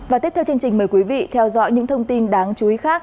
và tiếp theo chương trình mời quý vị theo dõi những thông tin đáng chú ý khác